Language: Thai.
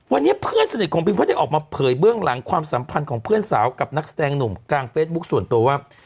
วันนี้เพื่อนสนิทของพิมก็ได้ออกมาเผยเบื้องหลังความสัมพันธ์ของเพื่อนสาวกับนักแสดงหนุ่มกลางเฟซบุ๊คส่วนตัวว่า